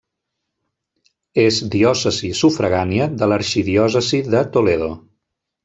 És diòcesi sufragània de l'Arxidiòcesi de Toledo.